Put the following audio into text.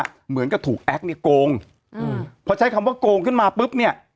เหมือนกับถูกแอคเนี่ยโกงอืมพอใช้คำว่าโกงขึ้นมาปุ๊บเนี่ย